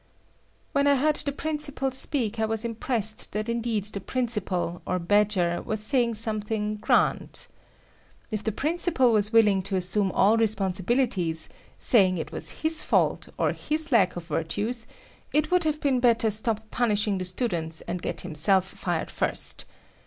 When I heard the principal speak, I was impressed that indeed the principal, or Badger, was saying something "grand." If the principal was willing to assume all responsibilities, saying it was his fault or his lack of virtues, it would have been better stop punishing the students and get himself fired first.